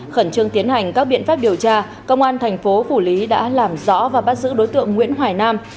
khẩn trương tiến hành các biện pháp điều tra công an thành phố phủ lý đã làm rõ và bắt giữ đối tượng nguyễn hoài nam